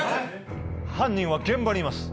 犯人は現場にいます。